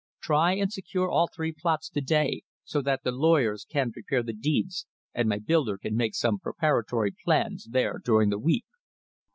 Try and secure all three plots to day, so that the lawyers can prepare the deeds and my builder can make some preparatory plans there during the week."